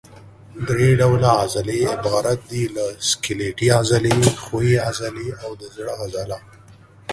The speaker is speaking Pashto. درې ډوله عضلې عبارت دي له سکلیټي عضلې، ښویې عضلې او د زړه عضله.